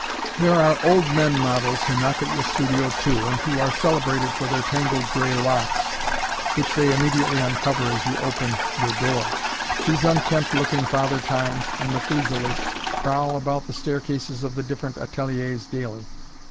There are old men models who knock at your studio too, and who are celebrated for their tangled gray locks, which they immediately uncover as you open your door. These unkempt looking Father Times and Methuselahs prowl about the staircases of the different ateliers daily.